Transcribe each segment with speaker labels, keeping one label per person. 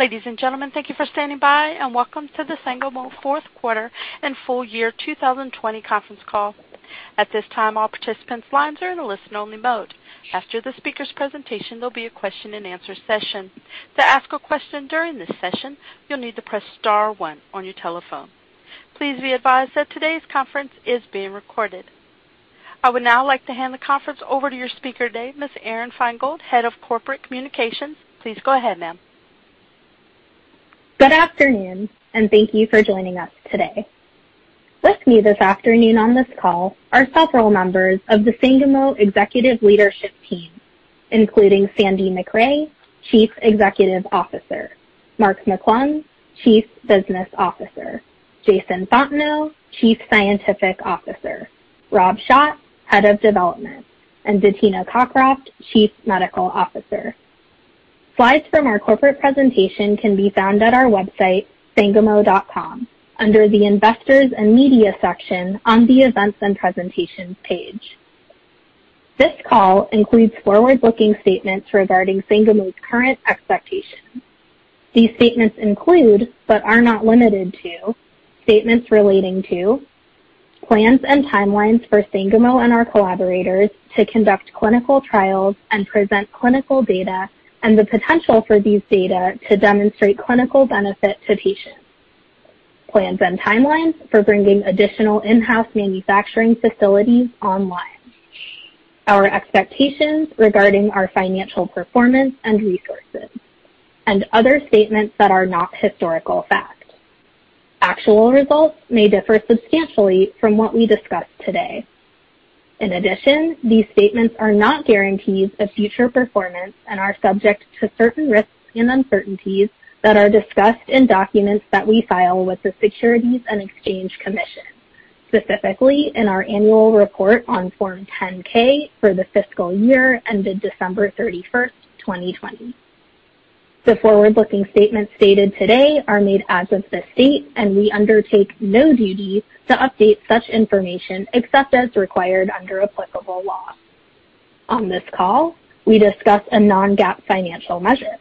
Speaker 1: Ladies and gentlemen, thank you for standing by and welcome to the Sangamo fourth quarter and full year 2020 conference call. At this time, all participants' lines are in a listen-only mode. After the speaker's presentation, there'll be a question-and-answer session. To ask a question during this session, you'll need to press star one on your telephone. Please be advised that today's conference is being recorded. I would now like to hand the conference over to your speaker today, Ms. Aron Feingold, Head of Corporate Communications. Please go ahead, ma'am.
Speaker 2: Good afternoon, and thank you for joining us today. With me this afternoon on this call are several members of the Sangamo Executive Leadership Team, including Sandy Macrae, Chief Executive Officer; Mark McClung, Chief Business Officer; Jason Fontenot, Chief Scientific Officer; Rob Schott, Head of Development; and Bettina Cockroft, Chief Medical Officer. Slides from our corporate presentation can be found at our website, sangamo.com, under the Investors and Media section on the Events and Presentations page. This call includes forward-looking statements regarding Sangamo's current expectations. These statements include, but are not limited to, statements relating to plans and timelines for Sangamo and our collaborators to conduct clinical trials and present clinical data, and the potential for these data to demonstrate clinical benefit to patients; plans and timelines for bringing additional in-house manufacturing facilities online; our expectations regarding our financial performance and resources; and other statements that are not historical fact. Actual results may differ substantially from what we discuss today. In addition, these statements are not guarantees of future performance and are subject to certain risks and uncertainties that are discussed in documents that we file with the Securities and Exchange Commission, specifically in our annual report on Form 10-K for the fiscal year ended December 31, 2020. The forward-looking statements stated today are made as of this date, and we undertake no duty to update such information except as required under applicable law. On this call, we discuss a non-GAAP financial measure.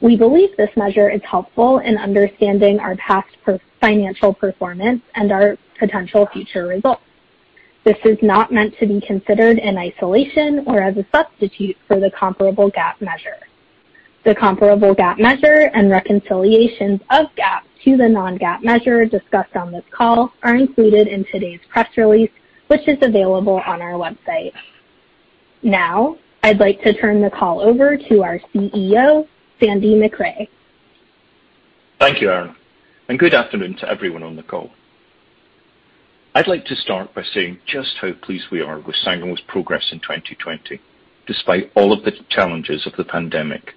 Speaker 2: We believe this measure is helpful in understanding our past financial performance and our potential future results. This is not meant to be considered in isolation or as a substitute for the comparable GAAP measure. The comparable GAAP measure and reconciliations of GAAP to the non-GAAP measure discussed on this call are included in today's press release, which is available on our website. Now, I'd like to turn the call over to our CEO, Sandy Macrae.
Speaker 3: Thank you, Aron. Good afternoon to everyone on the call. I'd like to start by saying just how pleased we are with Sangamo's progress in 2020, despite all of the challenges of the pandemic.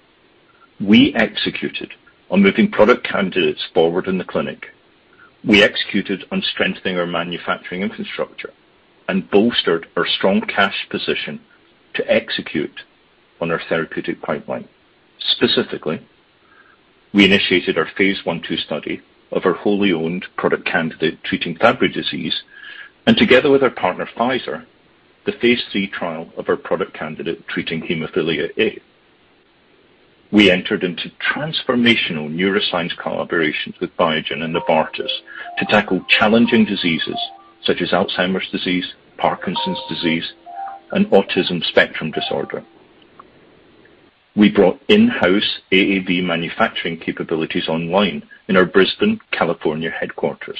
Speaker 3: We executed on moving product candidates forward in the clinic. We executed on strengthening our manufacturing infrastructure and bolstered our strong cash position to execute on our therapeutic pipeline. Specifically, we initiated our phase I/II study of our wholly owned product candidate treating Fabry disease, and together with our partner Pfizer, the phase III trial of our product candidate treating Hemophilia A. We entered into transformational neuroscience collaborations with Biogen and Novartis to tackle challenging diseases such as Alzheimer's disease, Parkinson's disease, and autism spectrum disorder. We brought in-house AAV manufacturing capabilities online in our Brisbane, California headquarters.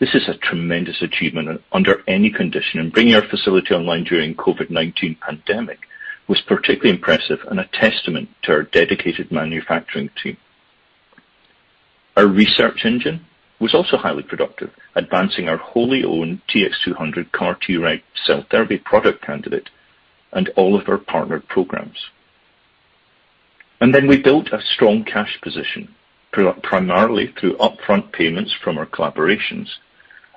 Speaker 3: This is a tremendous achievement under any condition, and bringing our facility online during the COVID-19 pandemic was particularly impressive and a testament to our dedicated manufacturing team. Our research engine was also highly productive, advancing our wholly-owned TX200 CAR-Treg cell therapy product candidate and all of our partner programs. We built a strong cash position primarily through upfront payments from our collaborations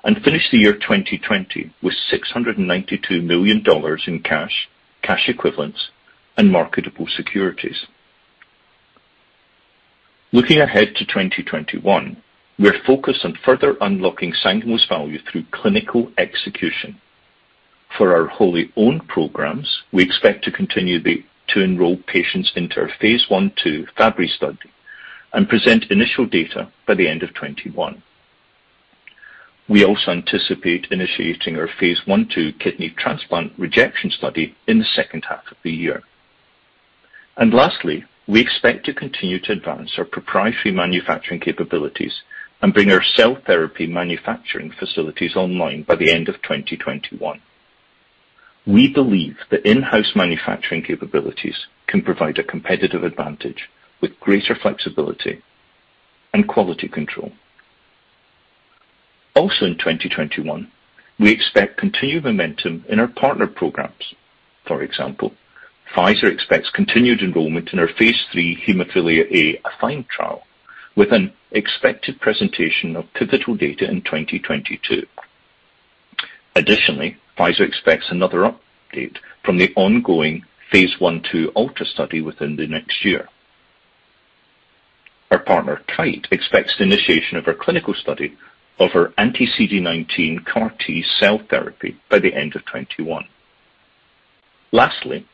Speaker 3: and finished the year 2020 with $692 million in cash, cash equivalents, and marketable securities. Looking ahead to 2021, we're focused on further unlocking Sangamo's value through clinical execution. For our wholly-owned programs, we expect to continue to enroll patients into our phase I/II Fabry study and present initial data by the end of 2021. We also anticipate initiating our phase I/II kidney transplant rejection study in the second half of the year. Lastly, we expect to continue to advance our proprietary manufacturing capabilities and bring our cell therapy manufacturing facilities online by the end of 2021. We believe the in-house manufacturing capabilities can provide a competitive advantage with greater flexibility and quality control. Also, in 2021, we expect continued momentum in our partner programs. For example, Pfizer expects continued enrollment in our phase III Hemophilia A AFFINE trial with an expected presentation of pivotal data in 2022. Additionally, Pfizer expects another update from the phase I/II ALTA study within the next year. Our partner Kite expects the initiation of our clinical study of our anti-CD19 CAR-T cell therapy by the end of 2021. Lastly,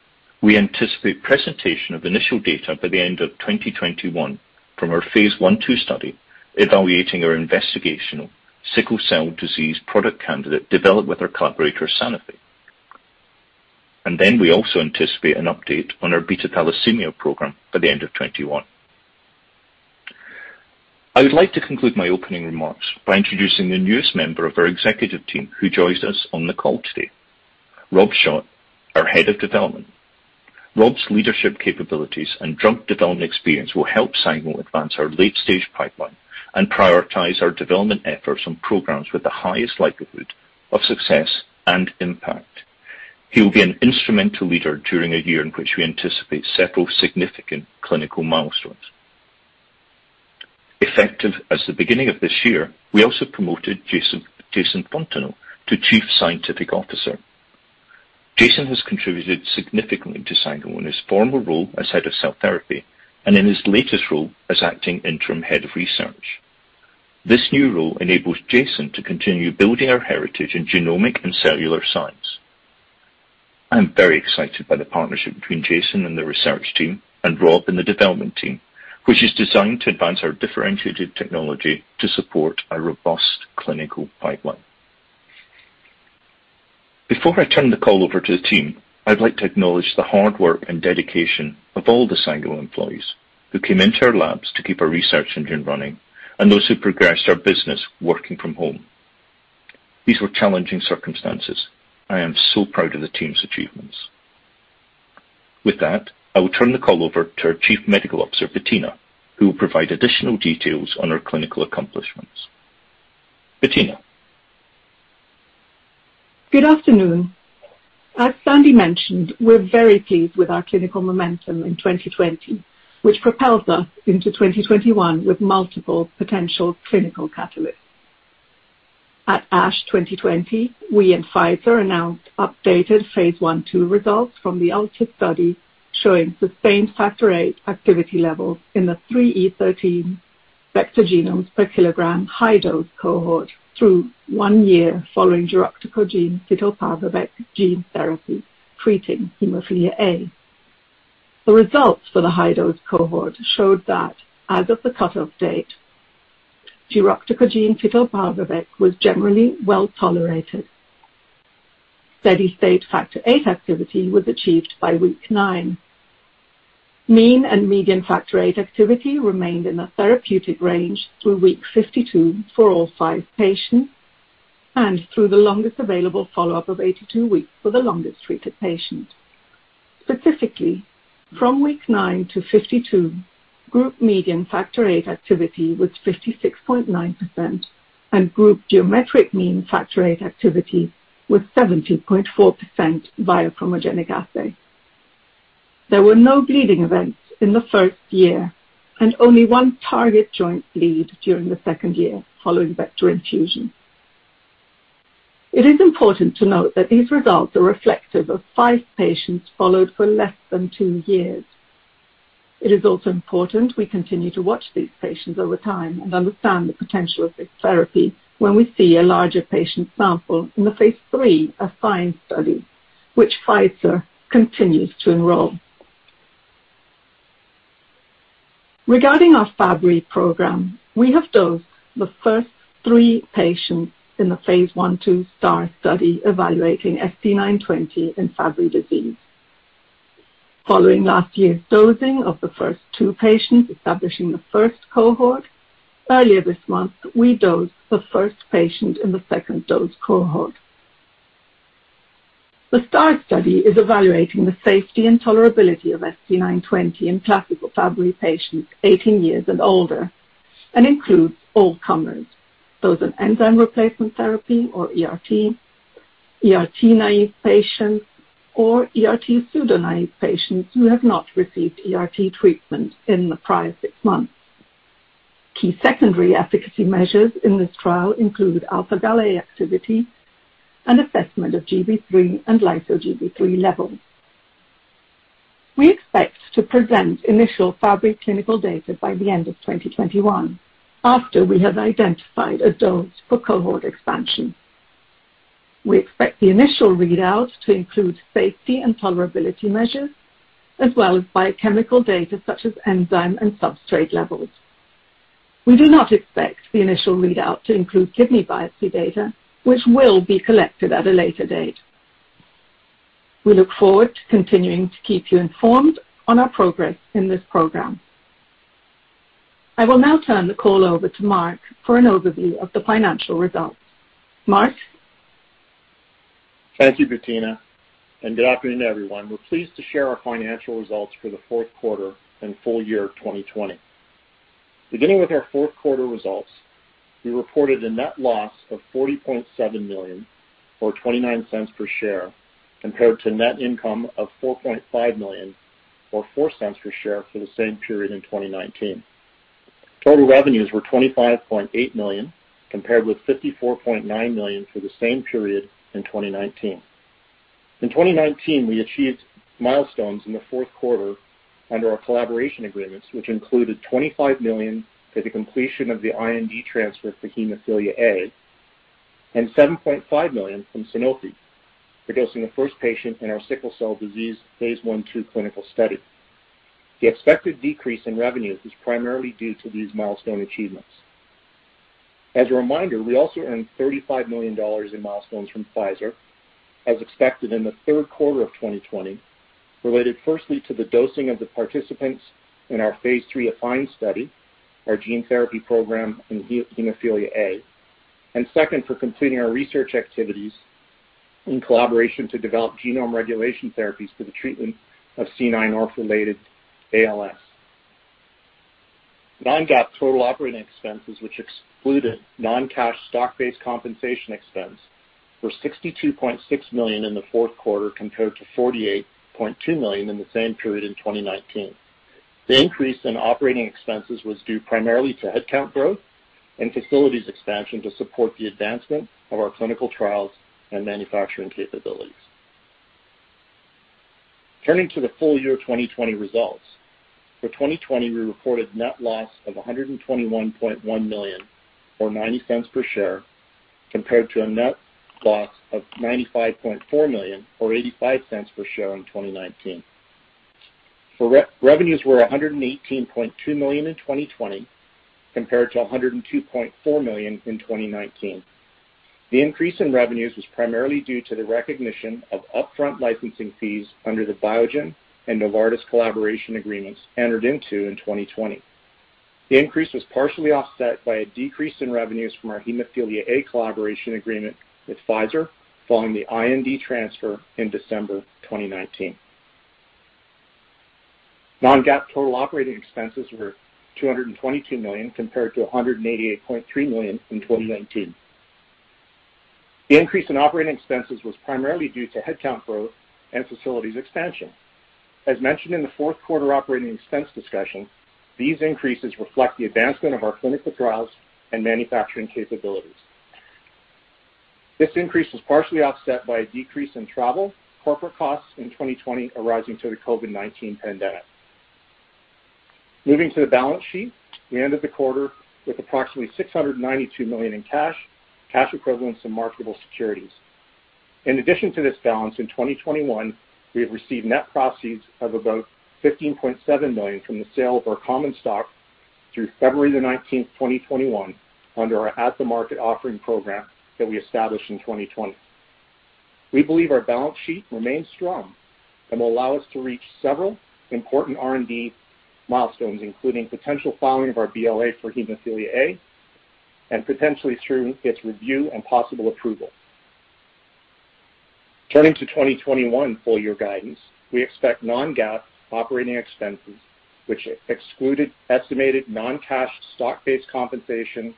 Speaker 3: we anticipate presentation of initial data by the end of 2021 from phase I/II study evaluating our investigational sickle cell disease product candidate developed with our collaborator, Sanofi. We also anticipate an update on our beta thalassemia program by the end of 2021. I would like to conclude my opening remarks by introducing the newest member of our executive team who joins us on the call today, Rob Schott, our Head of Development. Rob's leadership capabilities and drug development experience will help Sangamo advance our late-stage pipeline and prioritize our development efforts on programs with the highest likelihood of success and impact. He will be an instrumental leader during a year in which we anticipate several significant clinical milestones. Effective as the beginning of this year, we also promoted Jason Fontenot to Chief Scientific Officer. Jason has contributed significantly to Sangamo in his former role as Head of Cell Therapy and in his latest role as Acting Interim Head of Research. This new role enables Jason to continue building our heritage in genomic and cellular science. I'm very excited by the partnership between Jason and the research team and Rob and the development team, which is designed to advance our differentiated technology to support a robust clinical pipeline. Before I turn the call over to the team, I'd like to acknowledge the hard work and dedication of all the Sangamo employees who came into our labs to keep our research engine running and those who progressed our business working from home. These were challenging circumstances. I am so proud of the team's achievements. With that, I will turn the call over to our Chief Medical Officer, Bettina, who will provide additional details on our clinical accomplishments. Bettina.
Speaker 4: Good afternoon. As Sandy mentioned, we're very pleased with our clinical momentum in 2020, which propels us into 2021 with multiple potential clinical catalysts. At ASH 2020, we and Pfizer announced phase I/II results from the Alta study showing sustained Factor VIII activity levels in the 3E13 vector genomes per kilogram high-dose cohort through one year following giroctocogene fitelparvovec gene therapy treating Hemophilia A. The results for the high-dose cohort showed that, as of the cutoff date, giroctocogene fitelparvovec was generally well tolerated. Steady-state Factor VIII activity was achieved by week nine. Mean and median Factor VIII activity remained in the therapeutic range through week 52 for all five patients and through the longest available follow-up of 82 weeks for the longest treated patient. Specifically, from week nine to 52, group median Factor VIII activity was 56.9%, and group geometric mean Factor VIII activity was 70.4% via chromogenic assay. There were no bleeding events in the first year and only one target joint bleed during the second year following vector infusion. It is important to note that these results are reflective of five patients followed for less than two years. It is also important we continue to watch these patients over time and understand the potential of this therapy when we see a larger patient sample in the phase III AFFINE study, which Pfizer continues to enroll. Regarding our Fabry program, we have dosed the first three patients in phase I/II STAAR study evaluating ST-920 in Fabry disease. Following last year's dosing of the first two patients establishing the first cohort, earlier this month, we dosed the first patient in the second-dose cohort. The STAAR study is evaluating the safety and tolerability of ST-920 in classical Fabry patients 18 years and older and includes all comers, those on enzyme replacement therapy or ERT, ERT naive patients, or ERT pseudo-naive patients who have not received ERT treatment in the prior six months. Key secondary efficacy measures in this trial include α-Gal A activity and assessment of GB3 and lyso-GB3 levels. We expect to present initial Fabry clinical data by the end of 2021 after we have identified a dose for cohort expansion. We expect the initial readout to include safety and tolerability measures as well as biochemical data such as enzyme and substrate levels. We do not expect the initial readout to include kidney biopsy data, which will be collected at a later date. We look forward to continuing to keep you informed on our progress in this program. I will now turn the call over to Mark for an overview of the financial results. Mark.
Speaker 5: Thank you, Bettina. Good afternoon, everyone. We're pleased to share our financial results for the fourth quarter and full year 2020. Beginning with our fourth quarter results, we reported a net loss of $40.7 million or $0.29 per share compared to net income of $4.5 million or $0.04 per share for the same period in 2019. Total revenues were $25.8 million compared with $54.9 million for the same period in 2019. In 2019, we achieved milestones in the fourth quarter under our collaboration agreements, which included $25 million for the completion of the IND transfer for Hemophilia A and $7.5 million from Sanofi, producing the first patient in our sickle cell phase I/II clinical study. The expected decrease in revenues is primarily due to these milestone achievements. As a reminder, we also earned $35 million in milestones from Pfizer, as expected in the third quarter of 2020, related firstly to the dosing of the participants in our phase III AFFINE study, our gene therapy program in Hemophilia A, and second for completing our research activities in collaboration to develop genome regulation therapies for the treatment of C9orf72-related ALS. Non-GAAP total operating expenses, which excluded non-cash stock-based compensation expense, were $62.6 million in the fourth quarter compared to $48.2 million in the same period in 2019. The increase in operating expenses was due primarily to headcount growth and facilities expansion to support the advancement of our clinical trials and manufacturing capabilities. Turning to the full year 2020 results, for 2020, we reported net loss of $121.1 million or $0.90 per share compared to a net loss of $95.4 million or $0.85 per share in 2019. Revenues were $118.2 million in 2020 compared to $102.4 million in 2019. The increase in revenues was primarily due to the recognition of upfront licensing fees under the Biogen and Novartis collaboration agreements entered into in 2020. The increase was partially offset by a decrease in revenues from our Hemophilia A collaboration agreement with Pfizer following the IND transfer in December 2019. Non-GAAP total operating expenses were $222 million compared to $188.3 million in 2019. The increase in operating expenses was primarily due to headcount growth and facilities expansion. As mentioned in the fourth quarter operating expense discussion, these increases reflect the advancement of our clinical trials and manufacturing capabilities. This increase was partially offset by a decrease in travel, corporate costs in 2020 arising from the COVID-19 pandemic. Moving to the balance sheet, we ended the quarter with approximately $692 million in cash, cash equivalents, and marketable securities. In addition to this balance, in 2021, we have received net proceeds of about $15.7 million from the sale of our common stock through February 19, 2021, under our at-the-market offering program that we established in 2020. We believe our balance sheet remains strong and will allow us to reach several important R&D milestones, including potential filing of our BLA for Hemophilia A and potentially through its review and possible approval. Turning to 2021 full year guidance, we expect non-GAAP operating expenses, which excluded estimated non-cash stock-based compensation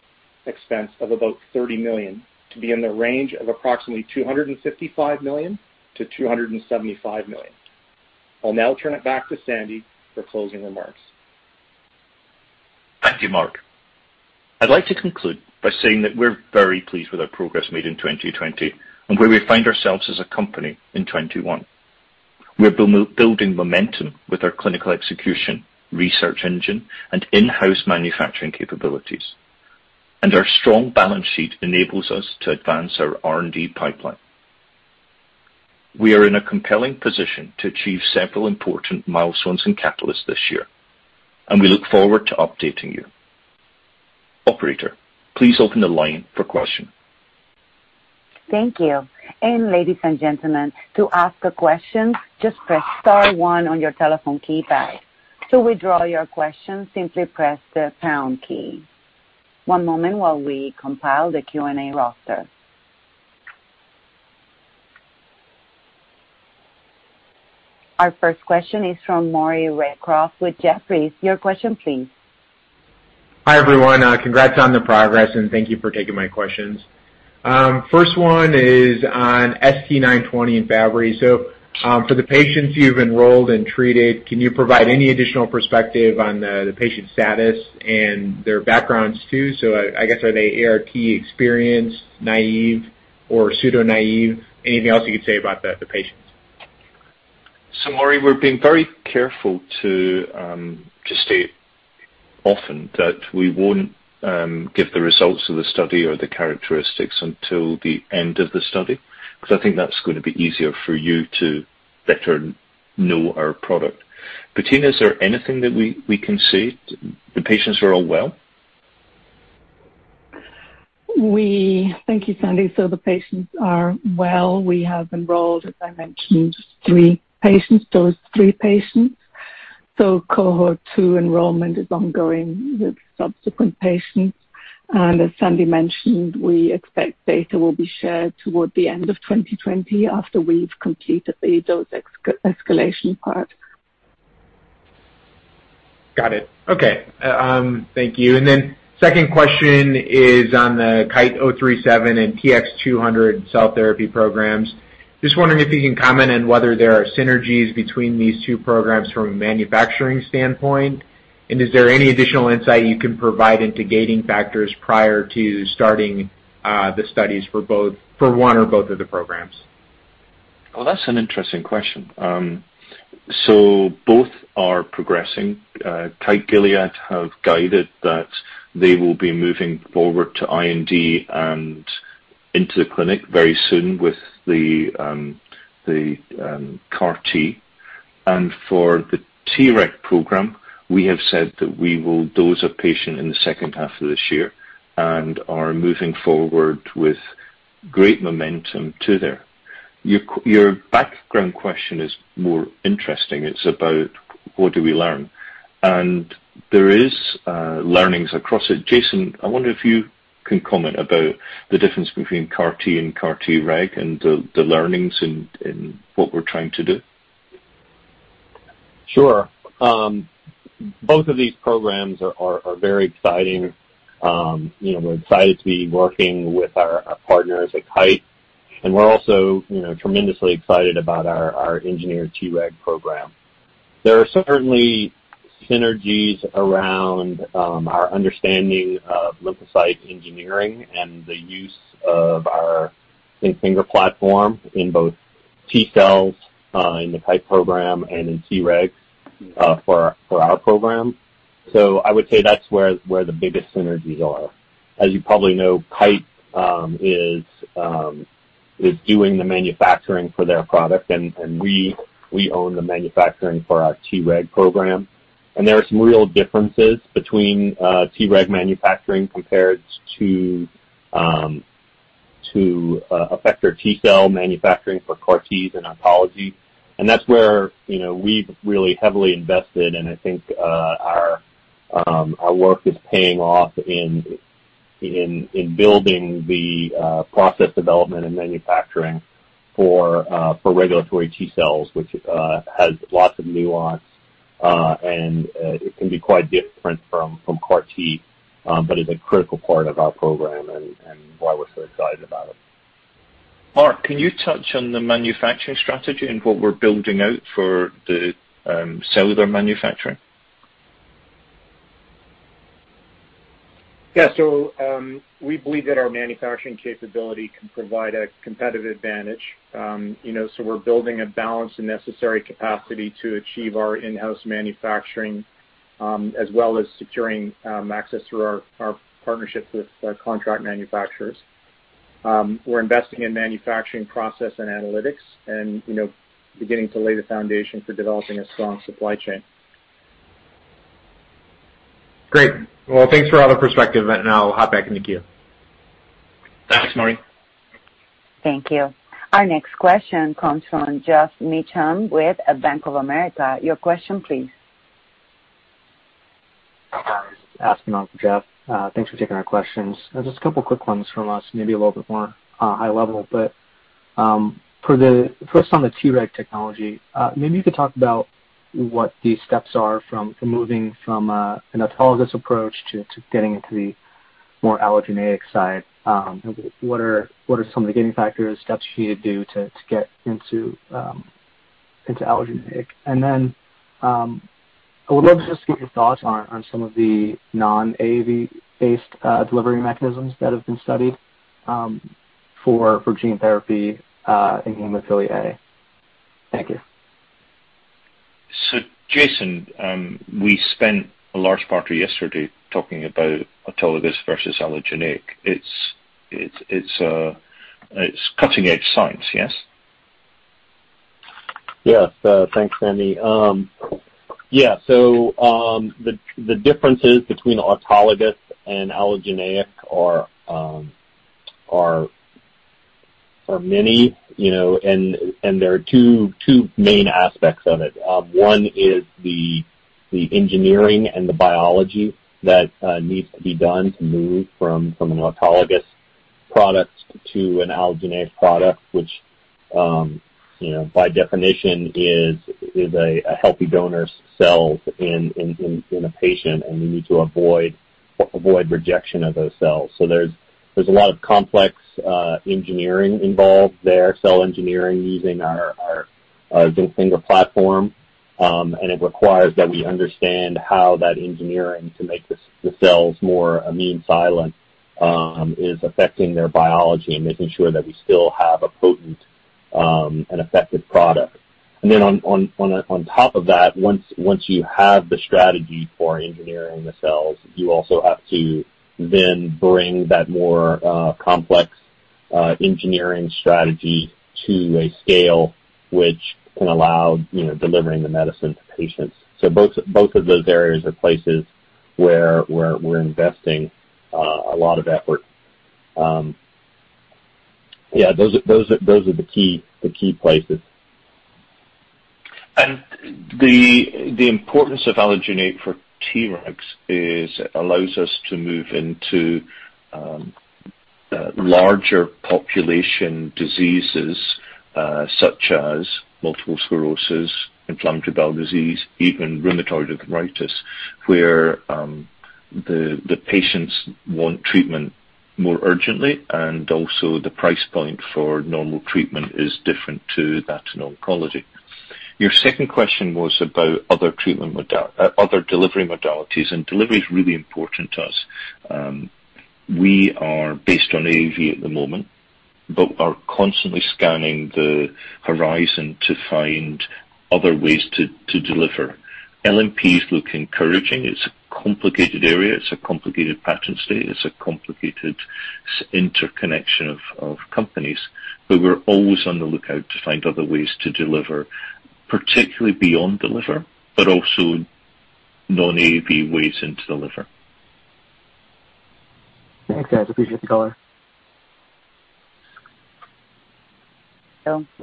Speaker 5: expense of about $30 million, to be in the range of approximately $255 million-$275 million. I'll now turn it back to Sandy for closing remarks.
Speaker 3: Thank you, Mark. I'd like to conclude by saying that we're very pleased with our progress made in 2020 and where we find ourselves as a company in 2021. We're building momentum with our clinical execution, research engine, and in-house manufacturing capabilities. Our strong balance sheet enables us to advance our R&D pipeline. We are in a compelling position to achieve several important milestones and catalysts this year, and we look forward to updating you. Operator, please open the line for questions.
Speaker 1: Thank you. Ladies and gentlemen, to ask a question, just press star one on your telephone keypad. To withdraw your question, simply press the pound key. One moment while we compile the Q&A roster. Our first question is from Maury Raycroft with Jefferies. Your question, please.
Speaker 6: Hi, everyone. Congrats on the progress, and thank you for taking my questions. First one is on ST-920 in Fabry. For the patients you've enrolled and treated, can you provide any additional perspective on the patient status and their backgrounds too? I guess, are they ERT experienced, naive, or pseudo-naive? Anything else you could say about the patients?
Speaker 3: Maury, we're being very careful to state often that we won't give the results of the study or the characteristics until the end of the study because I think that's going to be easier for you to better know our product. Bettina, is there anything that we can see? The patients are all well?
Speaker 4: Thank you, Sandy. The patients are well. We have enrolled, as I mentioned, three patients, those three patients. Cohort two enrollment is ongoing with subsequent patients. As Sandy mentioned, we expect data will be shared toward the end of 2020 after we've completed the dose escalation part.
Speaker 6: Got it. Okay. Thank you. The second question is on the KITE-037 and TX200 cell therapy programs. Just wondering if you can comment on whether there are synergies between these two programs from a manufacturing standpoint. Is there any additional insight you can provide into gating factors prior to starting the studies for one or both of the programs?
Speaker 3: Oh, that's an interesting question. Both are progressing. Kite Gilead have guided that they will be moving forward to IND and into the clinic very soon with the CAR-T. For the Treg program, we have said that we will dose a patient in the second half of this year and are moving forward with great momentum to there. Your background question is more interesting. It's about what do we learn. There are learnings across it. Jason, I wonder if you can comment about the difference between CAR-T and CAR-Treg and the learnings in what we're trying to do.
Speaker 7: Sure. Both of these programs are very exciting. We're excited to be working with our partners at Kite. We're also tremendously excited about our engineered Treg program. There are certainly synergies around our understanding of lymphocyte engineering and the use of our zinc finger platform in both T cells in the Kite program and in Treg for our program. I would say that's where the biggest synergies are. As you probably know, Kite is doing the manufacturing for their product. We own the manufacturing for our Treg program. There are some real differences between Treg manufacturing compared to effector T cell manufacturing for CAR-Ts in oncology. That's where we've really heavily invested. I think our work is paying off in building the process development and manufacturing for regulatory T cells, which has lots of nuance. It can be quite different from CAR-T, but it's a critical part of our program and why we're so excited about it.
Speaker 3: Mark, can you touch on the manufacturing strategy and what we're building out for the cellular manufacturing?
Speaker 5: Yeah. We believe that our manufacturing capability can provide a competitive advantage. We are building a balance in necessary capacity to achieve our in-house manufacturing as well as securing access through our partnership with contract manufacturers. We are investing in manufacturing process and analytics and beginning to lay the foundation for developing a strong supply chain.
Speaker 6: Great. Thanks for all the perspective. I'll hop back into queue.
Speaker 3: Thanks, Maury.
Speaker 1: Thank you. Our next question comes from Geoff Meacham with Bank of America. Your question, please.
Speaker 8: Hi, guys. Thank you. Thanks for taking our questions. Just a couple of quick ones from us, maybe a little bit more high level. First on the Treg technology, maybe you could talk about what the steps are from moving from an autologous approach to getting into the more allogeneic side. What are some of the gating factors, steps you need to do to get into allogeneic? I would love to just get your thoughts on some of the non-AAV-based delivery mechanisms that have been studied for gene therapy in Hemophilia A. Thank you.
Speaker 3: Jason, we spent a large part of yesterday talking about autologous versus allogeneic. It's cutting-edge science, yes?
Speaker 7: Yes. Thanks, Sandy. Yeah. The differences between autologous and allogeneic are many. There are two main aspects of it. One is the engineering and the biology that needs to be done to move from an autologous product to an allogeneic product, which by definition is a healthy donor's cells in a patient. We need to avoid rejection of those cells. There is a lot of complex engineering involved there, cell engineering using our zinc finger platform. It requires that we understand how that engineering to make the cells more immune silent is affecting their biology and making sure that we still have a potent and effective product. On top of that, once you have the strategy for engineering the cells, you also have to then bring that more complex engineering strategy to a scale which can allow delivering the medicine to patients. Both of those areas are places where we're investing a lot of effort. Yeah. Those are the key places.
Speaker 3: The importance of allogeneic for Tregs allows us to move into larger population diseases such as multiple sclerosis, inflammatory bowel disease, even rheumatoid arthritis, where the patients want treatment more urgently. Also, the price point for normal treatment is different to that in oncology. Your second question was about other delivery modalities. Delivery is really important to us. We are based on AAV at the moment, but are constantly scanning the horizon to find other ways to deliver. LNP is looking encouraging. It is a complicated area. It is a complicated patent state. It is a complicated interconnection of companies. We are always on the lookout to find other ways to deliver, particularly beyond the liver, but also non-AAV ways into the liver.
Speaker 8: Thanks, guys. Appreciate the color.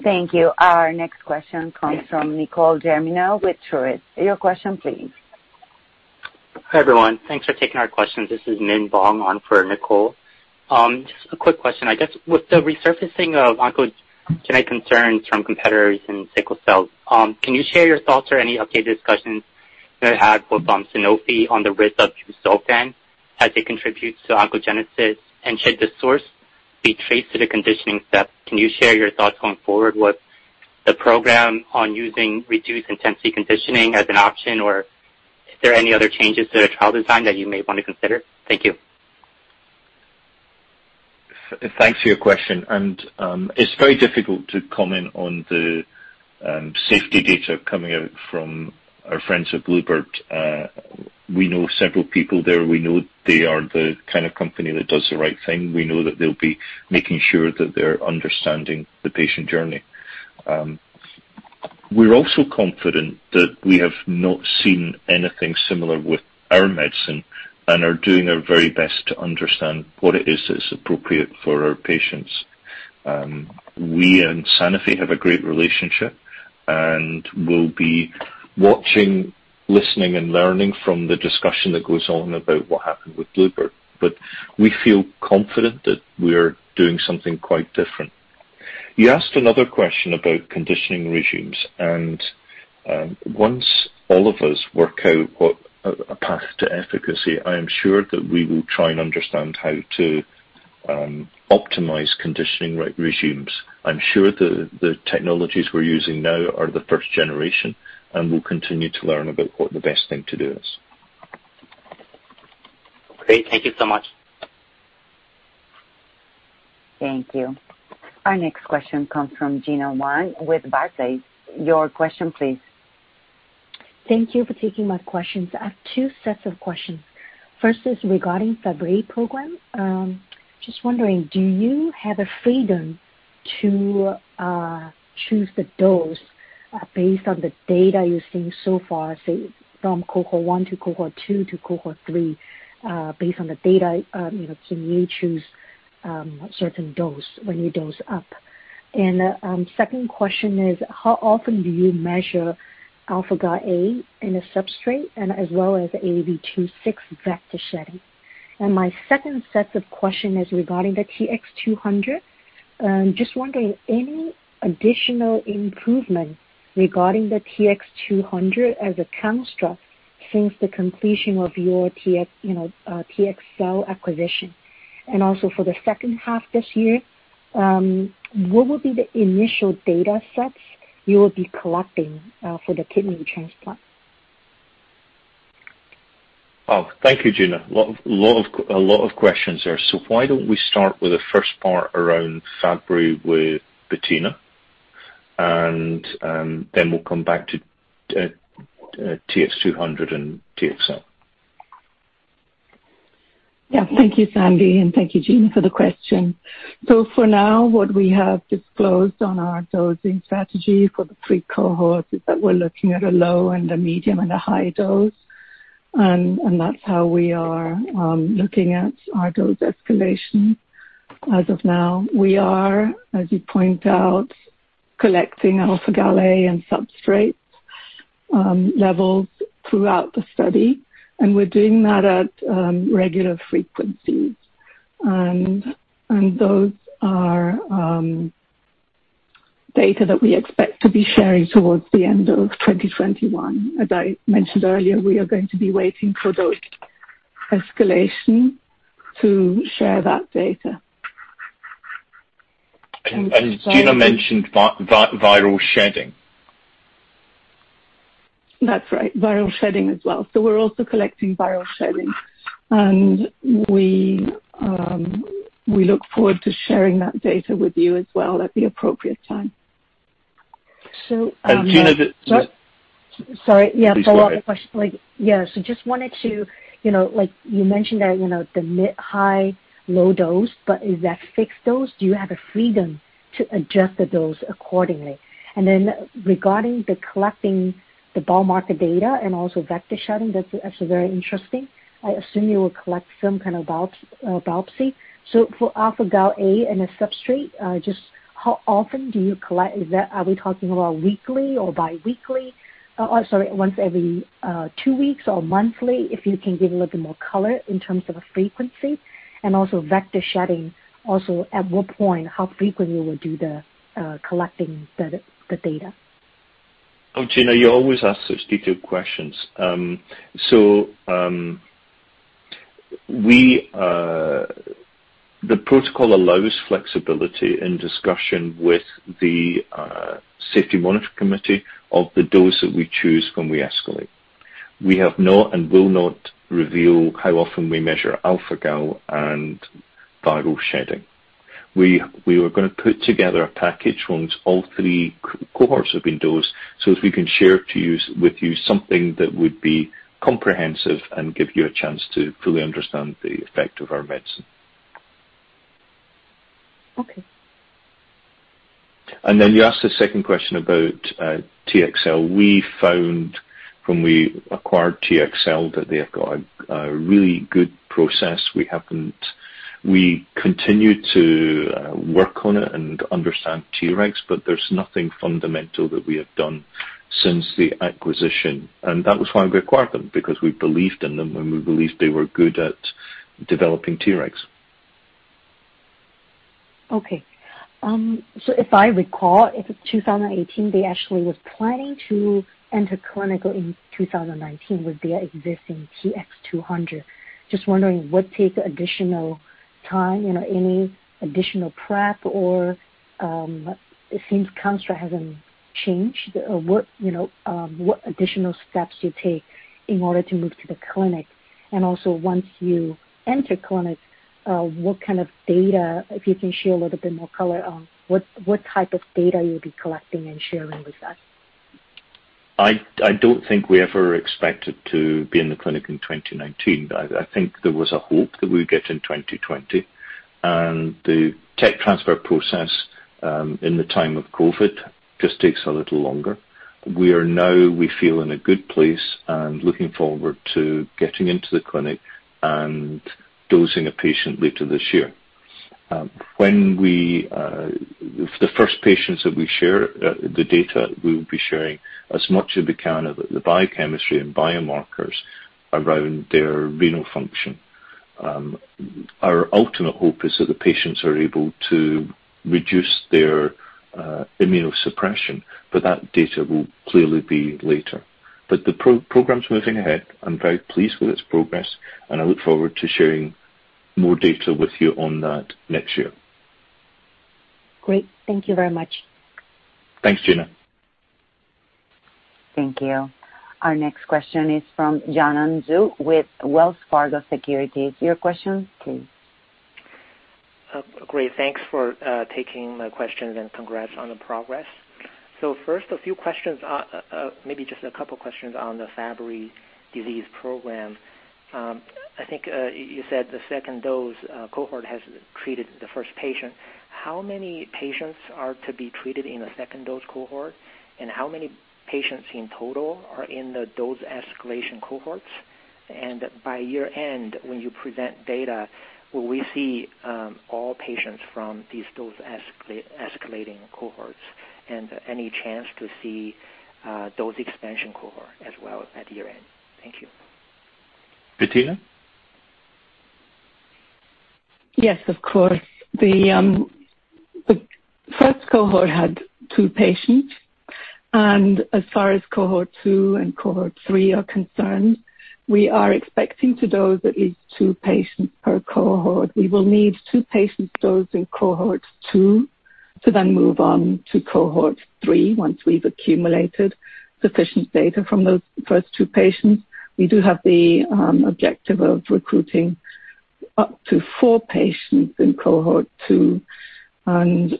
Speaker 1: Thank you. Our next question comes from Nicole Germino with Truist. Your question, please.
Speaker 9: Hi, everyone. Thanks for taking our questions. This is Minh Vuong, on for Nicole. Just a quick question, I guess. With the resurfacing of oncogenic concerns from competitors in sickle cells, can you share your thoughts or any updated discussions you had with Sanofi on the risk of Zynteglo as it contributes to oncogenesis? Should the source be traced to the conditioning step? Can you share your thoughts going forward with the program on using reduced-intensity conditioning as an option? Is there any other changes to the trial design that you may want to consider? Thank you.
Speaker 3: Thanks for your question. It is very difficult to comment on the safety data coming out from our friends at Bluebird. We know several people there. We know they are the kind of company that does the right thing. We know that they'll be making sure that they're understanding the patient journey. We're also confident that we have not seen anything similar with our medicine and are doing our very best to understand what it is that's appropriate for our patients. We and Sanofi have a great relationship and will be watching, listening, and learning from the discussion that goes on about what happened with Bluebird. We feel confident that we are doing something quite different. You asked another question about conditioning regimes. Once all of us work out a path to efficacy, I am sure that we will try and understand how to optimize conditioning regimes. I'm sure the technologies we're using now are the first generation. We will continue to learn about what the best thing to do is.
Speaker 9: Great. Thank you so much.
Speaker 1: Thank you. Our next question comes from Gena Wang with Barclays. Your question, please.
Speaker 10: Thank you for taking my questions. I have two sets of questions. First is regarding Fabry program. Just wondering, do you have a freedom to choose the dose based on the data you've seen so far, say, from cohort one to cohort two to cohort three? Based on the data, can you choose a certain dose when you dose up? My second question is, how often do you measure α-Gal A in a substrate and as well as AAV6 vector shedding? My second set of questions is regarding the TX200. Just wondering, any additional improvement regarding the TX200 as a construct since the completion of your TxCell acquisition? Also, for the second half this year, what will be the initial data sets you will be collecting for the kidney transplant?
Speaker 3: Oh, thank you, Gena. A lot of questions there. Why don't we start with the first part around Fabry with Bettina? Then we'll come back to TX200 and TX cell.
Speaker 4: Yeah. Thank you, Sandy. Thank you, Gena, for the question. For now, what we have disclosed on our dosing strategy for the three cohorts is that we're looking at a low and a medium and a high dose. That's how we are looking at our dose escalation as of now. We are, as you point out, collecting α-Gal A and substrate levels throughout the study. We're doing that at regular frequencies. Those are data that we expect to be sharing towards the end of 2021. As I mentioned earlier, we are going to be waiting for those escalations to share that data.
Speaker 3: Gena mentioned viral shedding.
Speaker 4: That's right. Viral shedding as well. We're also collecting viral shedding. We look forward to sharing that data with you as well at the appropriate time.
Speaker 3: Gena, the.
Speaker 10: Sorry. Yeah. Follow up the question.
Speaker 4: Sorry.
Speaker 10: Yeah. Just wanted to, like you mentioned, the high, low dose, but is that fixed dose? Do you have a freedom to adjust the dose accordingly? Regarding collecting the biomarker data and also vector shedding, that's very interesting. I assume you will collect some kind of biopsy. For α-Gal A and a substrate, just how often do you collect? Are we talking about weekly or biweekly? Oh, sorry. Once every two weeks or monthly, if you can give a little bit more color in terms of frequency. Also, vector shedding, at what point, how frequently will you do the collecting the data?
Speaker 3: Oh, Gena, you always ask such detailed questions. The protocol allows flexibility in discussion with the safety monitor committee of the dose that we choose when we escalate. We have not and will not reveal how often we measure α-Gal A and viral shedding. We are going to put together a package once all three cohorts have been dosed so that we can share with you something that would be comprehensive and give you a chance to fully understand the effect of our medicine.
Speaker 10: Okay.
Speaker 3: You asked the second question about TXCell. We found when we acquired TXCell that they have got a really good process. We continue to work on it and understand Tregs, but there is nothing fundamental that we have done since the acquisition. That was why we acquired them, because we believed in them and we believed they were good at developing Tregs.
Speaker 10: Okay. If I recall, if it's 2018, they actually were planning to enter clinical in 2019 with their existing TX200. Just wondering, would it take additional time, any additional prep, or it seems construct hasn't changed? What additional steps do you take in order to move to the clinic? Also, once you enter clinic, what kind of data, if you can share a little bit more color on what type of data you'll be collecting and sharing with us?
Speaker 3: I don't think we ever expected to be in the clinic in 2019. I think there was a hope that we would get in 2020. The tech transfer process in the time of COVID just takes a little longer. We are now, we feel, in a good place and looking forward to getting into the clinic and dosing a patient later this year. The first patients that we share the data, we will be sharing as much as we can of the biochemistry and biomarkers around their renal function. Our ultimate hope is that the patients are able to reduce their immunosuppression. That data will clearly be later. The program's moving ahead. I'm very pleased with its progress. I look forward to sharing more data with you on that next year.
Speaker 10: Great. Thank you very much.
Speaker 3: Thanks, Gena.
Speaker 1: Thank you. Our next question is from Yanan Zhu with Wells Fargo Securities. Your question, please.
Speaker 11: Great. Thanks for taking my questions and congrats on the progress. First, a few questions, maybe just a couple of questions on the Fabry disease program. I think you said the second dose cohort has treated the first patient. How many patients are to be treated in the second dose cohort? How many patients in total are in the dose escalation cohorts? By year end, when you present data, will we see all patients from these dose escalating cohorts? Any chance to see dose expansion cohort as well at year end? Thank you.
Speaker 3: Bettina?
Speaker 4: Yes, of course. The first cohort had two patients. As far as cohort two and cohort three are concerned, we are expecting to dose at least two patients per cohort. We will need two patients dosed in cohort two to then move on to cohort three once we've accumulated sufficient data from those first two patients. We do have the objective of recruiting up to four patients in cohort two.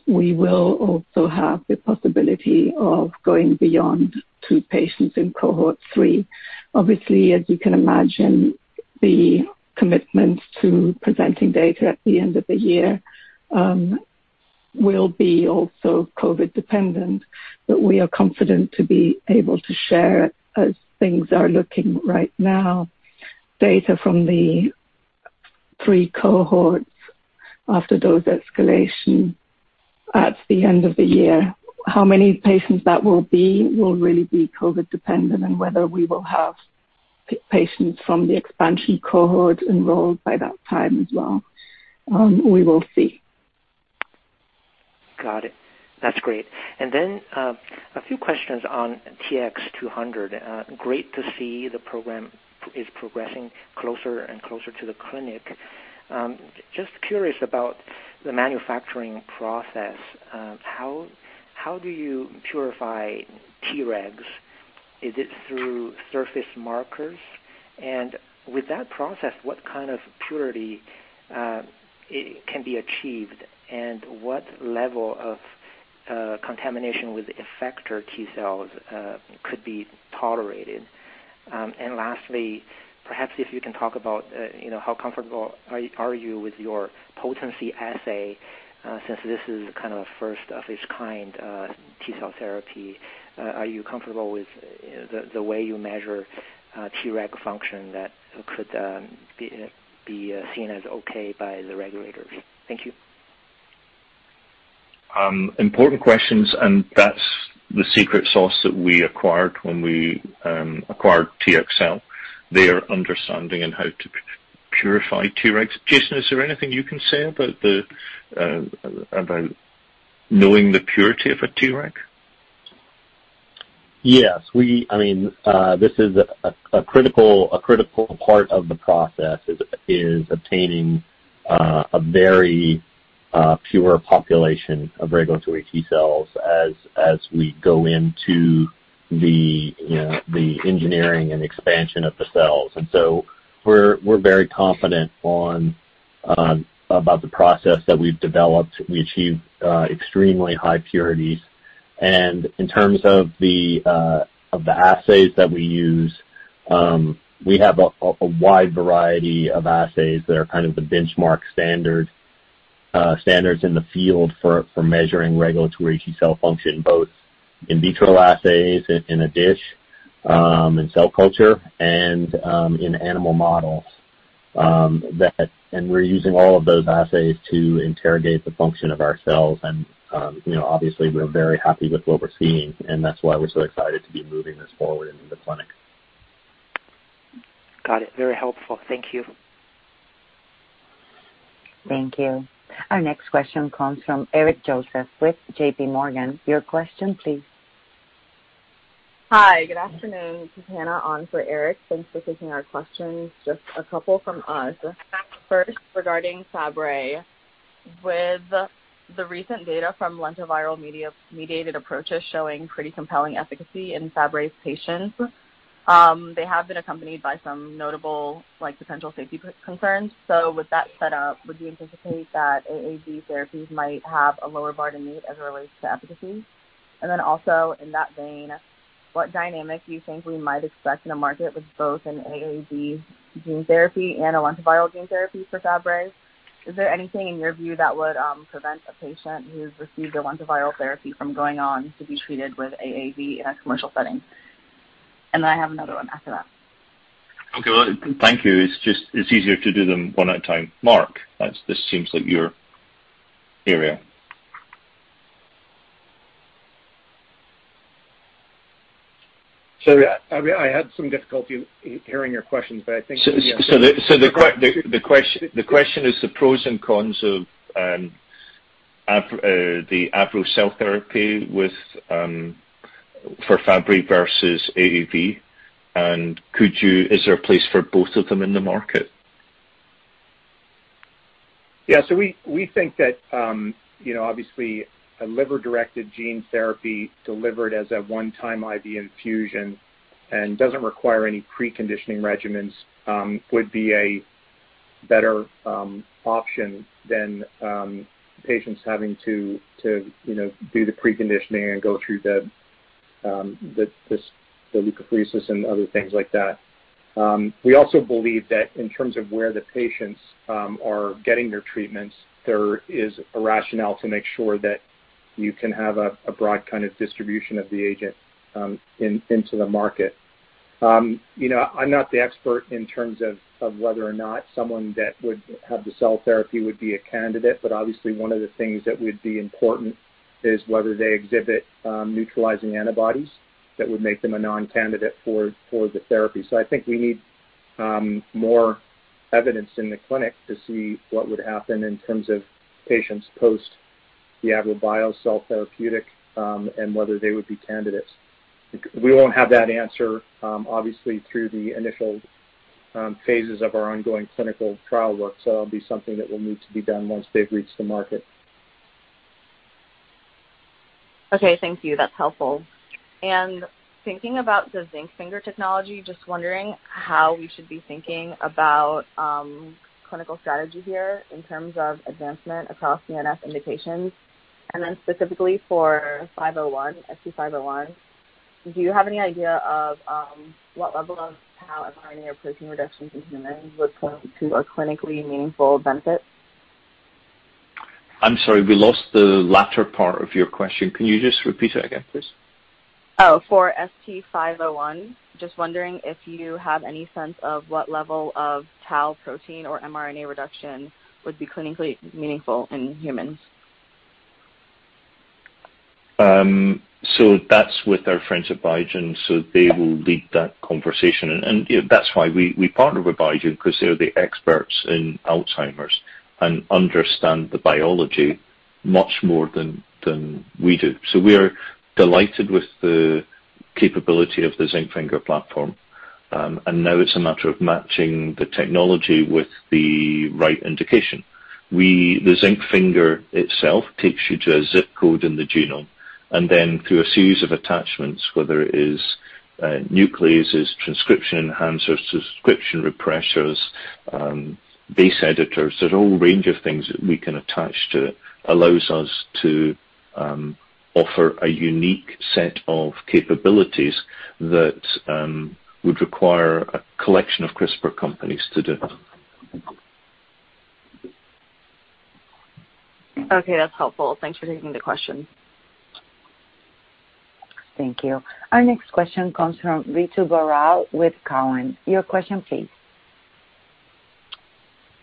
Speaker 4: We will also have the possibility of going beyond two patients in cohort three. Obviously, as you can imagine, the commitment to presenting data at the end of the year will be also COVID-dependent. We are confident to be able to share, as things are looking right now, data from the three cohorts after dose escalation at the end of the year. How many patients that will be will really be COVID-dependent and whether we will have patients from the expansion cohort enrolled by that time as well. We will see.
Speaker 11: Got it. That's great. A few questions on TX200. Great to see the program is progressing closer and closer to the clinic. Just curious about the manufacturing process. How do you purify Tregs? Is it through surface markers? With that process, what kind of purity can be achieved? What level of contamination with effector T cells could be tolerated? Lastly, perhaps if you can talk about how comfortable are you with your potency assay since this is kind of a first-of-its-kind T cell therapy. Are you comfortable with the way you measure Treg function that could be seen as okay by the regulators? Thank you.
Speaker 3: Important questions. That's the secret sauce that we acquired when we acquired TxCell. They are understanding in how to purify Tregs. Jason, is there anything you can say about knowing the purity of a Treg?
Speaker 7: Yes. I mean, this is a critical part of the process, is obtaining a very pure population of regulatory T cells as we go into the engineering and expansion of the cells. We are very confident about the process that we have developed. We achieve extremely high purities. In terms of the assays that we use, we have a wide variety of assays that are kind of the benchmark standards in the field for measuring regulatory T cell function, both in vitro assays in a dish and cell culture and in animal models. We are using all of those assays to interrogate the function of our cells. Obviously, we are very happy with what we are seeing. That is why we are so excited to be moving this forward into the clinic.
Speaker 11: Got it. Very helpful. Thank you.
Speaker 1: Thank you. Our next question comes from Eric Joseph with JPMorgan. Your question, please. Hi. Good afternoon. This is Hannah on for Eric. Thanks for taking our questions. Just a couple from us. First, regarding Fabry, with the recent data from lentiviral-mediated approaches showing pretty compelling efficacy in Fabry's patients, they have been accompanied by some notable potential safety concerns. With that set up, would you anticipate that AAV therapies might have a lower bar to meet as it relates to efficacy? Also in that vein, what dynamic do you think we might expect in a market with both an AAV gene therapy and a lentiviral gene therapy for Fabry? Is there anything in your view that would prevent a patient who's received a lentiviral therapy from going on to be treated with AAV in a commercial setting? I have another one after that.
Speaker 3: Okay. Thank you. It's easier to do them one at a time. Mark, this seems like your area.
Speaker 5: Sorry. I had some difficulty hearing your questions, but I think.
Speaker 3: The question is the pros and cons of the Avro cell therapy for Fabry versus AAV. Is there a place for both of them in the market?
Speaker 5: Yeah. We think that obviously, a liver-directed gene therapy delivered as a one-time IV infusion and does not require any preconditioning regimens would be a better option than patients having to do the preconditioning and go through the leukapheresis and other things like that. We also believe that in terms of where the patients are getting their treatments, there is a rationale to make sure that you can have a broad kind of distribution of the agent into the market. I'm not the expert in terms of whether or not someone that would have the cell therapy would be a candidate. Obviously, one of the things that would be important is whether they exhibit neutralizing antibodies that would make them a non-candidate for the therapy. I think we need more evidence in the clinic to see what would happen in terms of patients post the Avrobios cell therapeutic and whether they would be candidates. We won't have that answer, obviously, through the initial phases of our ongoing clinical trial work. That'll be something that will need to be done once they've reached the market. Okay. Thank you. That's helpful. Thinking about the Zinc finger technology, just wondering how we should be thinking about clinical strategy here in terms of advancement across CNS indications. Then specifically for ST-501, do you have any idea of what level of tau and mRNA replacement reductions in humans would point to a clinically meaningful benefit?
Speaker 3: I'm sorry. We lost the latter part of your question. Can you just repeat that again, please? Oh, for ST-501, just wondering if you have any sense of what level of tau protein or mRNA reduction would be clinically meaningful in humans. That is with our friends at Biogen. They will lead that conversation. That is why we partner with Biogen because they are the experts in Alzheimer's and understand the biology much more than we do. We are delighted with the capability of the zinc finger platform. Now it is a matter of matching the technology with the right indication. The zinc finger itself takes you to a zip code in the genome. Then through a series of attachments, whether it is nucleases, transcription enhancers, transcription repressors, base editors, there is a whole range of things that we can attach to it, which allows us to offer a unique set of capabilities that would require a collection of CRISPR companies to do. Okay. That's helpful. Thanks for taking the question.
Speaker 1: Thank you. Our next question comes from Ritu Baral with Cowen. Your question, please.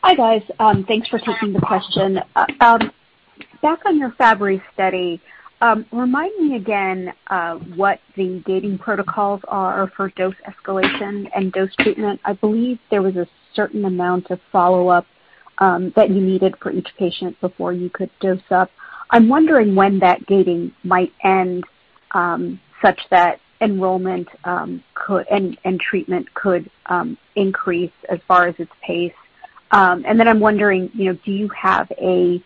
Speaker 12: Hi, guys. Thanks for taking the question. Back on your Fabry study, remind me again what the gating protocols are for dose escalation and dose treatment. I believe there was a certain amount of follow-up that you needed for each patient before you could dose up. I'm wondering when that gating might end such that enrollment and treatment could increase as far as its pace. I'm wondering, do you have a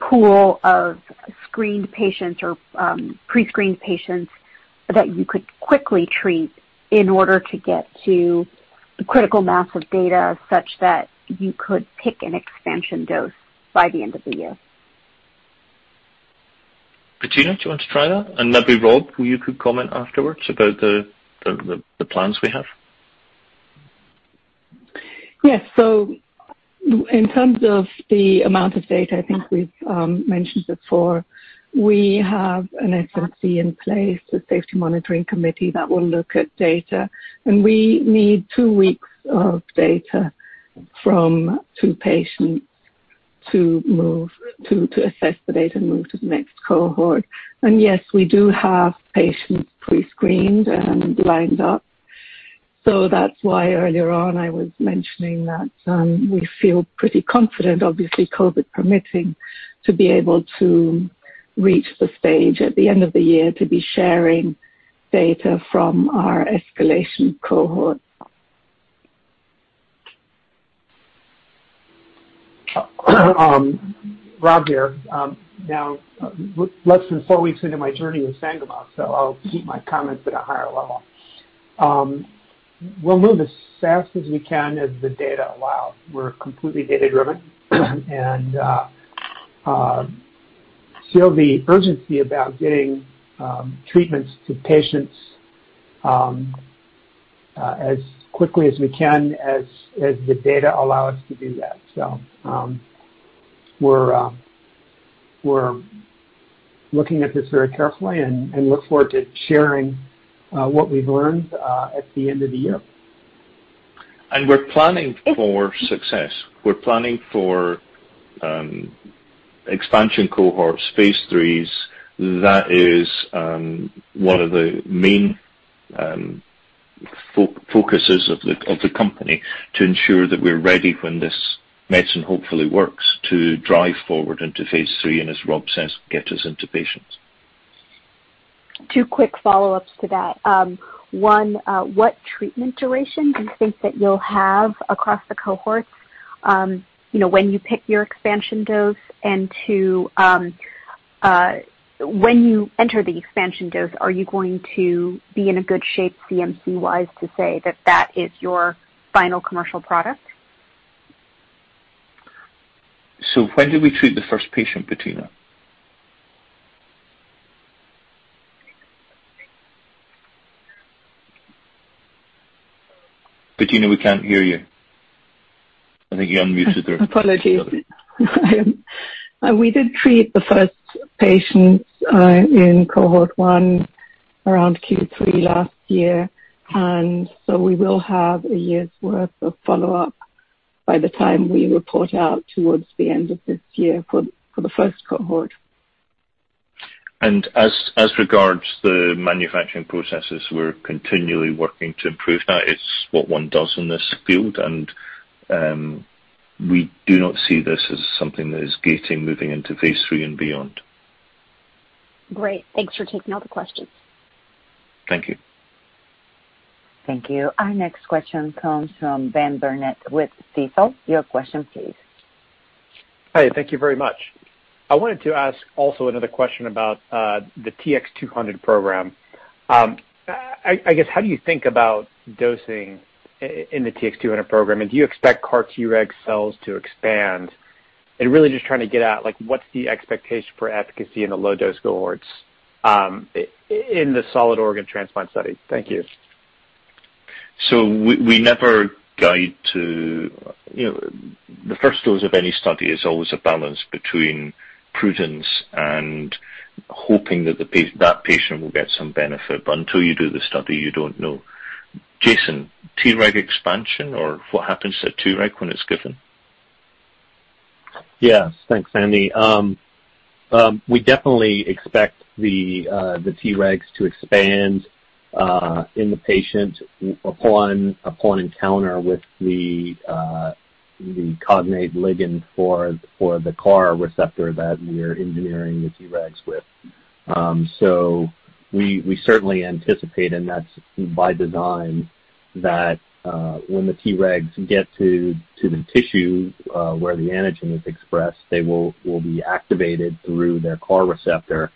Speaker 12: pool of screened patients or pre-screened patients that you could quickly treat in order to get to critical mass of data such that you could pick an expansion dose by the end of the year?
Speaker 3: Bettina, do you want to try that? Maybe Rob, you could comment afterwards about the plans we have.
Speaker 4: Yes. In terms of the amount of data, I think we've mentioned before, we have an SMC in place, a safety monitoring committee that will look at data. We need two weeks of data from two patients to assess the data and move to the next cohort. Yes, we do have patients pre-screened and lined up. That's why earlier on I was mentioning that we feel pretty confident, obviously COVID permitting, to be able to reach the stage at the end of the year to be sharing data from our escalation cohort.
Speaker 13: Rob here. Now, less than four weeks into my journey with Sangamo, so I'll keep my comments at a higher level. We'll move as fast as we can as the data allows. We're completely data-driven. I feel the urgency about getting treatments to patients as quickly as we can as the data allow us to do that. We are looking at this very carefully and look forward to sharing what we've learned at the end of the year.
Speaker 3: We're planning for success. We're planning for expansion cohorts, phase III. That is one of the main focuses of the company to ensure that we're ready when this medicine hopefully works to drive forward into phase III and, as Rob says, get us into patients.
Speaker 12: Two quick follow-ups to that. One, what treatment duration do you think that you'll have across the cohorts when you pick your expansion dose? Two, when you enter the expansion dose, are you going to be in a good shape CMC-wise to say that that is your final commercial product?
Speaker 3: When did we treat the first patient, Bettina? Bettina, we can't hear you. I think you're on mute with the record.
Speaker 4: Apologies. We did treat the first patients in cohort one around Q3 last year. We will have a year's worth of follow-up by the time we report out towards the end of this year for the first cohort.
Speaker 3: As regards the manufacturing processes, we're continually working to improve. That is what one does in this field. We do not see this as something that is gating moving into phase III and beyond.
Speaker 12: Great. Thanks for taking all the questions.
Speaker 3: Thank you.
Speaker 1: Thank you. Our next question comes from Ben Burnett with Stifel. Your question, please.
Speaker 14: Hi. Thank you very much. I wanted to ask also another question about the TX200 program. I guess, how do you think about dosing in the TX200 program? Do you expect CAR Treg cells to expand? I am really just trying to get at what's the expectation for efficacy in the low-dose cohorts in the solid organ transplant study. Thank you.
Speaker 3: We never guide to the first dose of any study. It is always a balance between prudence and hoping that that patient will get some benefit. But until you do the study, you do not know. Jason, Treg expansion or what happens to Treg when it is given?
Speaker 7: Yes. Thanks, Sandy. We definitely expect the Tregs to expand in the patient upon encounter with the cognate ligand for the CAR receptor that we're engineering the Tregs with. We certainly anticipate, and that's by design, that when the Tregs get to the tissue where the antigen is expressed, they will be activated through their CAR receptor.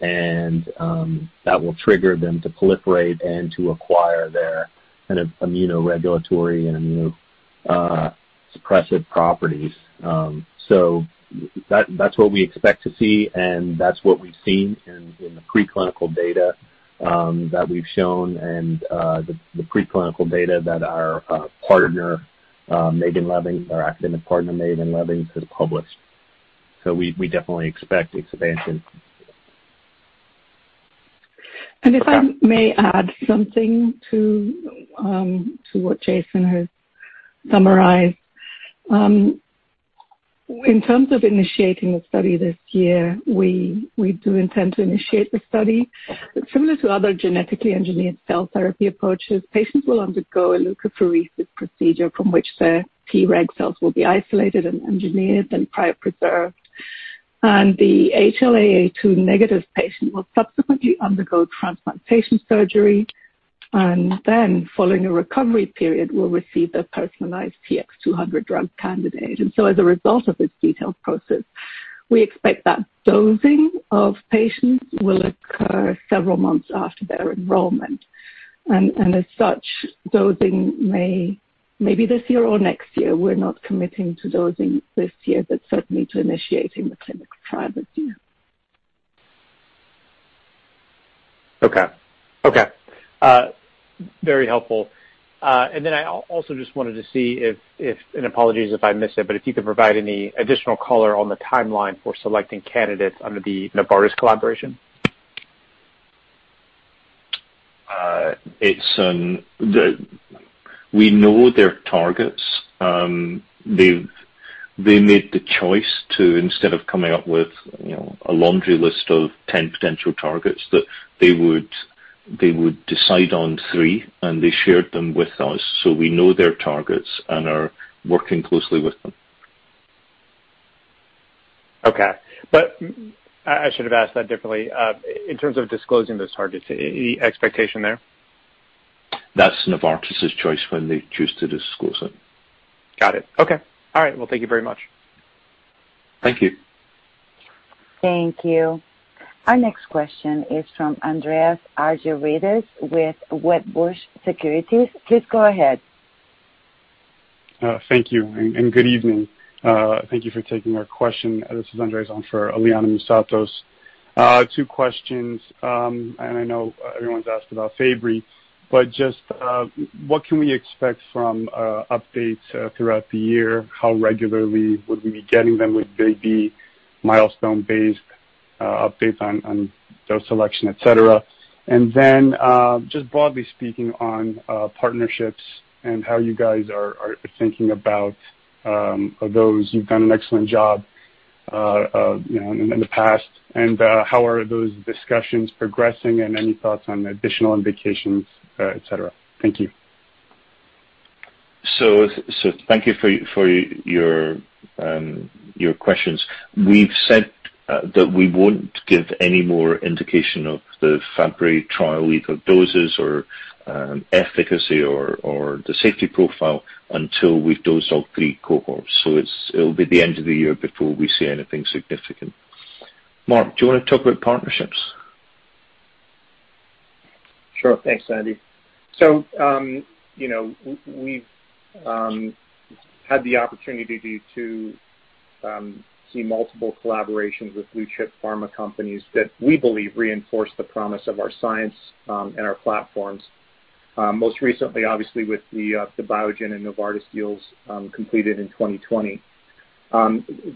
Speaker 7: That will trigger them to proliferate and to acquire their kind of immunoregulatory and immunosuppressive properties. That's what we expect to see. That's what we've seen in the preclinical data that we've shown and the preclinical data that our partner, Megan Levings, our academic partner, Megan Levings, has published. We definitely expect expansion.
Speaker 4: If I may add something to what Jason has summarized, in terms of initiating the study this year, we do intend to initiate the study. Similar to other genetically engineered cell therapy approaches, patients will undergo a leukapheresis procedure from which the Treg cells will be isolated and engineered and cryopreserved. The HLA-A2 negative patient will subsequently undergo transplantation surgery. Following a recovery period, the patient will receive a personalized TX200 drug candidate. As a result of this detailed process, we expect that dosing of patients will occur several months after their enrollment. As such, dosing may be this year or next year. We are not committing to dosing this year, but certainly to initiating the clinical trial this year.
Speaker 14: Okay. Okay. Very helpful. I also just wanted to see if—and apologies if I missed it—but if you could provide any additional color on the timeline for selecting candidates under the Novartis collaboration.
Speaker 3: We know their targets. They made the choice to, instead of coming up with a laundry list of 10 potential targets, that they would decide on three. They shared them with us. We know their targets and are working closely with them.
Speaker 14: Okay. I should have asked that differently. In terms of disclosing those targets, any expectation there?
Speaker 3: That's Novartis' choice when they choose to disclose it.
Speaker 14: Got it. Okay. All right. Thank you very much.
Speaker 3: Thank you.
Speaker 1: Thank you. Our next question is from Andreas Argerides with Wedbush Securities. Please go ahead.
Speaker 15: Thank you. And good evening. Thank you for taking our question. This is Andreas for Auliana Musatos. Two questions. I know everyone's asked about Fabry, but just what can we expect from updates throughout the year? How regularly would we be getting them? Would they be milestone-based updates on dose selection, etc.? Just broadly speaking on partnerships and how you guys are thinking about those. You've done an excellent job in the past. How are those discussions progressing? Any thoughts on additional indications, etc.? Thank you.
Speaker 3: Thank you for your questions. We've said that we won't give any more indication of the Fabry trial, either doses or efficacy or the safety profile, until we've dosed all three cohorts. It will be the end of the year before we see anything significant. Mark, do you want to talk about partnerships?
Speaker 5: Sure. Thanks, Sandy. We have had the opportunity to see multiple collaborations with blue-chip pharma companies that we believe reinforce the promise of our science and our platforms. Most recently, obviously, with the Biogen and Novartis deals completed in 2020.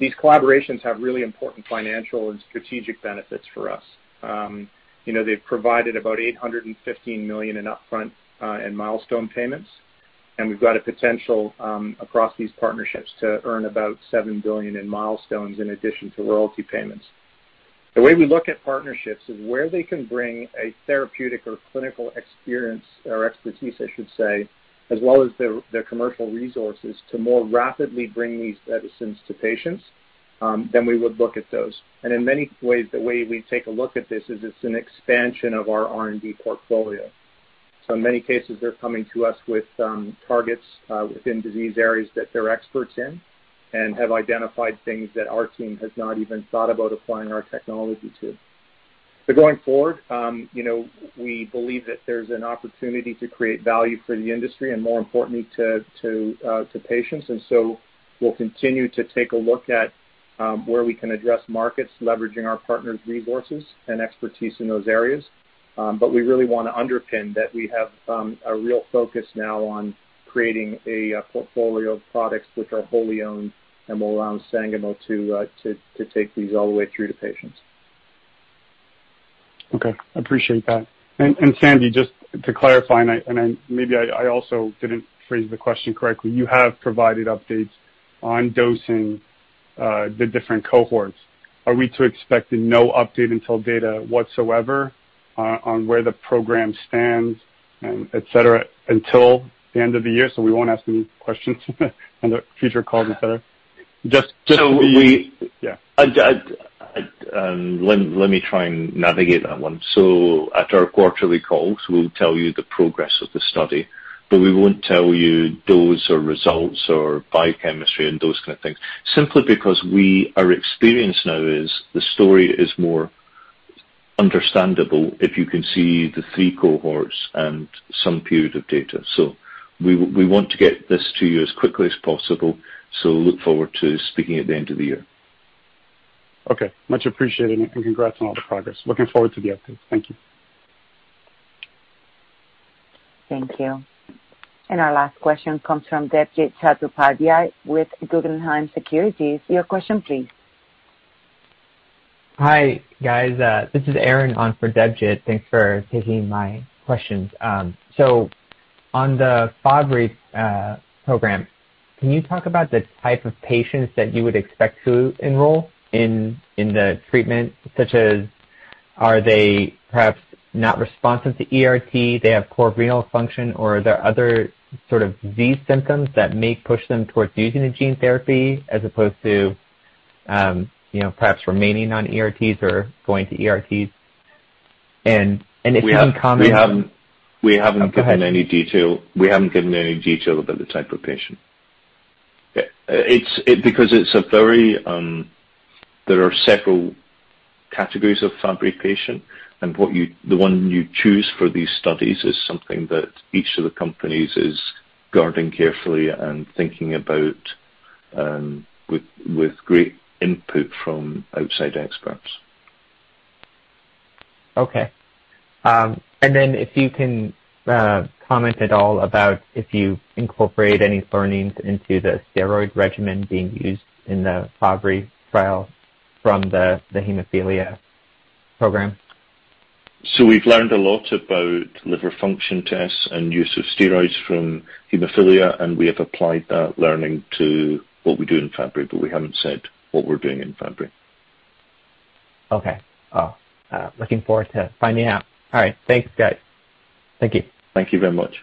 Speaker 5: These collaborations have really important financial and strategic benefits for us. They have provided about $815 million in upfront and milestone payments. We have got a potential across these partnerships to earn about $7 billion in milestones in addition to royalty payments. The way we look at partnerships is where they can bring a therapeutic or clinical experience or expertise, I should say, as well as their commercial resources to more rapidly bring these medicines to patients, we would look at those. In many ways, the way we take a look at this is it is an expansion of our R&D portfolio. In many cases, they're coming to us with targets within disease areas that they're experts in and have identified things that our team has not even thought about applying our technology to. Going forward, we believe that there's an opportunity to create value for the industry and, more importantly, to patients. We will continue to take a look at where we can address markets, leveraging our partners' resources and expertise in those areas. We really want to underpin that we have a real focus now on creating a portfolio of products which are wholly owned and will allow Sangamo to take these all the way through to patients.
Speaker 15: Okay. I appreciate that. Sandy, just to clarify, and maybe I also didn't phrase the question correctly, you have provided updates on dosing the different cohorts. Are we to expect no update until data whatsoever on where the program stands, etc., until the end of the year? We won't ask any questions on the future calls, etc.? Just we.
Speaker 3: So we.
Speaker 15: Yeah.
Speaker 3: Let me try and navigate that one. At our quarterly calls, we'll tell you the progress of the study. We won't tell you dose or results or biochemistry and those kind of things. Simply because our experience now is the story is more understandable if you can see the three cohorts and some period of data. We want to get this to you as quickly as possible. Look forward to speaking at the end of the year.
Speaker 15: Okay. Much appreciated. Congrats on all the progress. Looking forward to the updates. Thank you.
Speaker 1: Thank you. Our last question comes from Debjit Chattopadhyay with Guggenheim Securities. Your question, please.
Speaker 16: Hi, guys. This is Aaron on for Debjit. Thanks for taking my questions. On the Fabry program, can you talk about the type of patients that you would expect to enroll in the treatment, such as are they perhaps not responsive to ERT, they have poor renal function, or are there other sort of disease symptoms that may push them towards using a gene therapy as opposed to perhaps remaining on ERTs or going to ERTs? If you can comment.
Speaker 3: We haven't given any detail. We haven't given any detail about the type of patient. Because it's a very, there are several categories of Fabry patient. The one you choose for these studies is something that each of the companies is guarding carefully and thinking about with great input from outside experts.
Speaker 16: Okay. If you can comment at all about if you incorporate any learnings into the steroid regimen being used in the Fabry trial from the hemophilia program.
Speaker 3: We have learned a lot about liver function tests and use of steroids from hemophilia. We have applied that learning to what we do in Fabry, but we have not said what we are doing in Fabry.
Speaker 16: Okay. Looking forward to finding out. All right. Thanks, guys. Thank you.
Speaker 3: Thank you very much.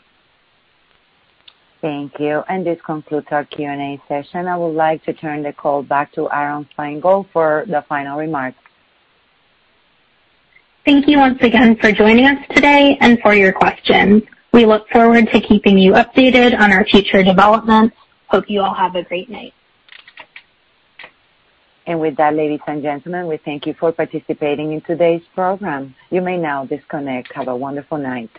Speaker 1: Thank you. This concludes our Q&A session. I would like to turn the call back to Aron Feingold for the final remarks.
Speaker 2: Thank you once again for joining us today and for your questions. We look forward to keeping you updated on our future developments. Hope you all have a great night.
Speaker 1: With that, ladies and gentlemen, we thank you for participating in today's program. You may now disconnect. Have a wonderful night.